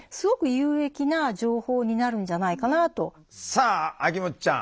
さあ秋元ちゃん。